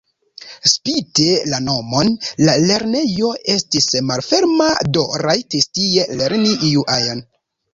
Spite la nomon la lernejo estis malferma, do rajtis tie lerni iu ajn.